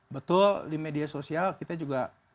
betul di media sosial kita juga